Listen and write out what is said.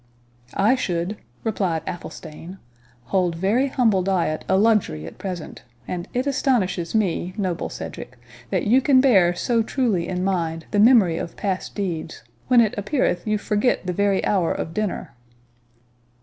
"I should," replied Athelstane, "hold very humble diet a luxury at present; and it astonishes me, noble Cedric, that you can bear so truly in mind the memory of past deeds, when it appeareth you forget the very hour of dinner."